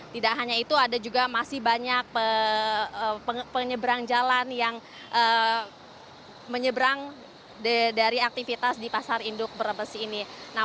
tidak hanya itu ada juga masih banyak penyeberang jalan yang menyeberang dari aktivitas di pasar induk brebes ini